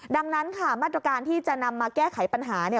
ดังนั้นค่ะมาตรการที่จะนำมาแก้ไขปัญหา